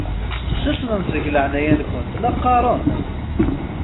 Susmemt deg leɛnaya-nkent la qqaṛen!